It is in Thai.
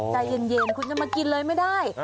ใจเย็นคุณจะมากินเลยไม่ได้